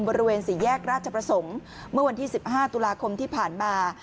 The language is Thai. บริเวณสี่แยกราชประสงค์เมื่อวันที่๑๕ตุลาคมที่ผ่านมา